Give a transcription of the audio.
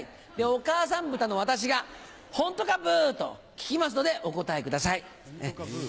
お母さんブタの私が「ホントかブ」と聞きますのでお答えください。